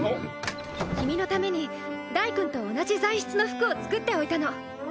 君のためにダイくんと同じ材質の服を作っておいたの。